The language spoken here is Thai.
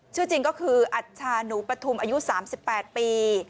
ชื่อจริงก็คืออัชชาหนูปฐุมอายุ๓๘ปี